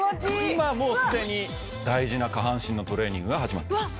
今もう既に大事な下半身のトレーニングが始まってます。